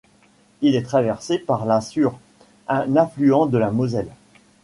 Il est traversé par la Sûre, un affluent de la Moselle.